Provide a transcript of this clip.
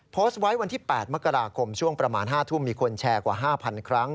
โพสต์ไว้วันที่๘มกราคมช่วงประมาณ๕ทุ่มมีคนแชร์กว่า๕๐๐๐ครั้ง